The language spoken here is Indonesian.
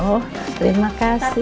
oh terima kasih